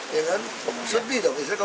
sebi dong bisa kalau kita orang tua bisa menangis